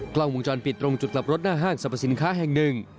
กล้องวงจรปิดตรงจุดกลับรถหน้าห้างสรรพสินค้าแห่งหนึ่ง